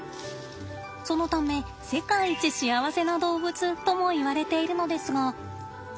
そのため「世界一幸せな動物」ともいわれているのですが。